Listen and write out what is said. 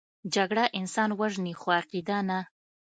جګړه انسان وژني، خو عقیده نه